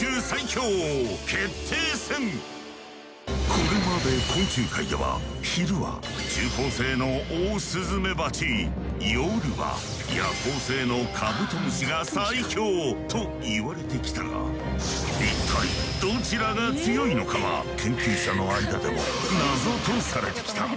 これまで昆虫界では昼は昼行性のオオスズメバチ夜は夜行性のカブトムシが最強といわれてきたが一体どちらが強いのかは研究者の間でも謎とされてきた。